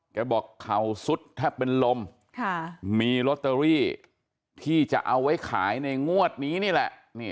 บอกเข่าสุดแทบเป็นลมมีลอตเตอรี่ที่จะเอาไว้ขายในงวดนี้นี่แหละ